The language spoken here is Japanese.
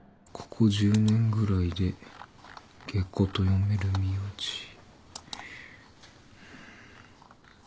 ここ１０年ぐらいでゲコと読める名字。